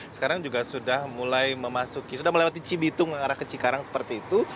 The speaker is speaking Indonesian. sekarang juga sudah mulai memasuki sudah melewati cibitung ke arah kecikarang seperti itu